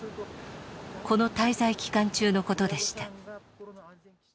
この滞在期間中のことでした。